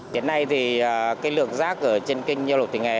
đến nay thì cái lượng rác ở trên kênh nhiều lục thị nghề